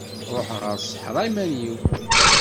Ruḥeɣ ɣer ṣṣeḥra iman-iw.